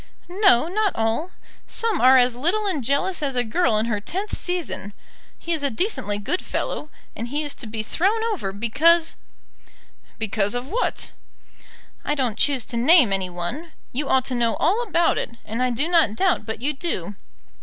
"No, not all. Some are as little and jealous as a girl in her tenth season. He is a decently good fellow, and he is to be thrown over, because " "Because of what?" "I don't choose to name any one. You ought to know all about it, and I do not doubt but you do.